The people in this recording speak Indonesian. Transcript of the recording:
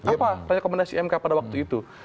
apa rekomendasi mk pada waktu itu